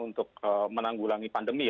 untuk menanggulangi pandemi